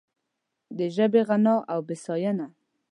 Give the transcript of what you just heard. د ژبې غنا او بسیاینه